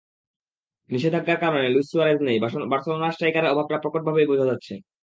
নিষেধাজ্ঞার কারণে Luis Suarez নেই, বার্সেলোনা স্ট্রাইকারের অভাবটা প্রকটভাবেই বোঝা যাচ্ছে।